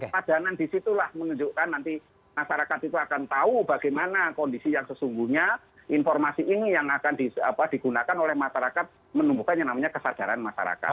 padanan disitulah menunjukkan nanti masyarakat itu akan tahu bagaimana kondisi yang sesungguhnya informasi ini yang akan digunakan oleh masyarakat menumbuhkan yang namanya kesadaran masyarakat